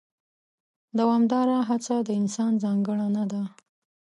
دوامداره هڅه د انسان ځانګړنه ده.